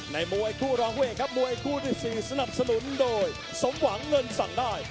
มวยคู่รองผู้เอกครับมวยคู่ที่๔สนับสนุนโดยสมหวังเงินสั่งได้